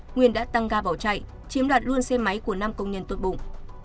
nguyên đã tăng ga vào chạy chiếm đoạt luôn xe máy của năm công nhân tốt bụng